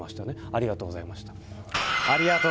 ありがとうございます。